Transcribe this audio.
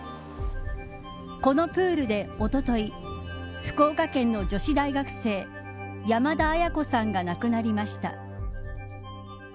このプールで、おととい福岡県の女子大学生山田絢子さんが亡くなりました。